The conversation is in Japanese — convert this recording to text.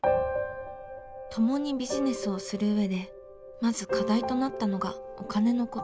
共にビジネスをする上でまず課題となったのがお金のこと。